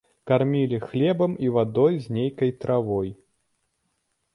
Кармілі хлебам і вадой з нейкай травой.